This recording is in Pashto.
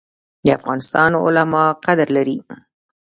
د افغانستان علما قدر لري